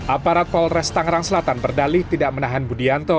aparat polres tangerang selatan berdali tidak menahan budi anto